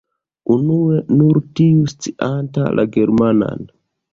Unue, nur tiu scianta la germanan.